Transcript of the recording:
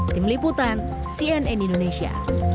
tim liputan cnn indonesia